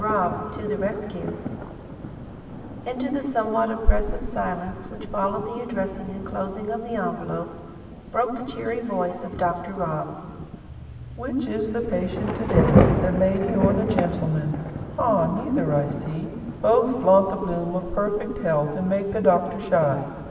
ROB TO THE RESCUE Into the somewhat oppressive silence which followed the addressing and closing of the envelope, broke the cheery voice of Dr. Rob. "Which is the patient to day? The lady or the gentleman? Ah, neither, I see. Both flaunt the bloom of perfect health and make the doctor shy.